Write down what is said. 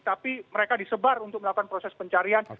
tapi mereka disebar untuk melakukan proses pencarian